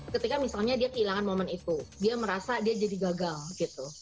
ketika misalnya dia kehilangan momen itu dia merasa dia jadi gagal gitu